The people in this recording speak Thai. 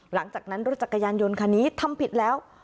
หลังจากนั้นรถจักรยานยนต์คันนี้ทำผิดแล้ว